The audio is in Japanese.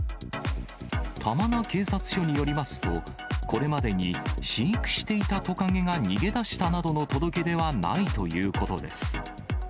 玉名警察署によりますと、これまでに飼育していたトカゲが逃げ出したなどの届け出はないということです。